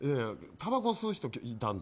たばこ吸う人がいたので。